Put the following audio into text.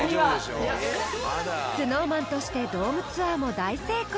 ［ＳｎｏｗＭａｎとしてドームツアーも大成功］